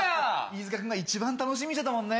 飯塚君が一番楽しみにしてたもんね。